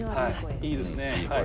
いいですね。